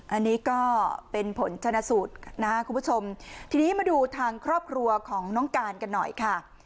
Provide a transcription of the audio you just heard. อันนี้ก็เป็นผลชนะสูตรนะครับคุณผู้ชมทีนี้มาดูทางครอบครัวของน้องการกันหน่อยค่ะ